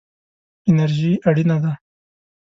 انرژي اړینه ده.